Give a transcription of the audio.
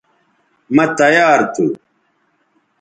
مہ تیار تھو